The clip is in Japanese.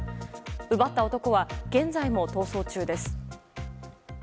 奪った男は現在も逃走中です。